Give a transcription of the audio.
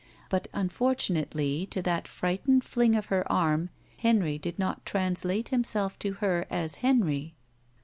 But, unfortunately, to that frightened fling of her arm Henry did not translate himself to her as Henry.